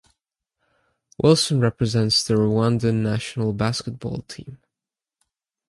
Wilson represents the Rwandan national basketball team.